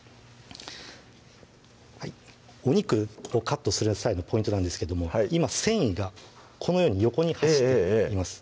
はいお肉をカットする際のポイントなんですけども今繊維がこのように横に走っています